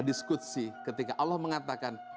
hadis qudsi ketika allah mengatakan